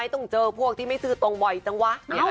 แล้วก็คือเอ่อ